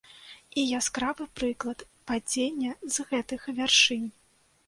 І яскравы прыклад падзення з гэтых вяршынь.